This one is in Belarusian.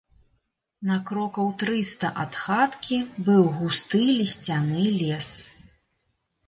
На крокаў трыста ад хаткі быў густы лісцяны лес.